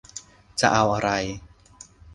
จะเอาอะไร